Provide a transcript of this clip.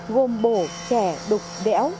gồm bổ chẻ đục đẽo